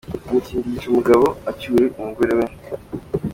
Umutindi yica umugabo ngo acyure umugore we!